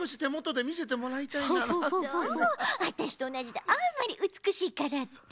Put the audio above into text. あたしとおなじであんまりうつくしいからって？